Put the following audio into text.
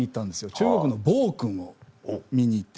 中国の暴君を見に行って。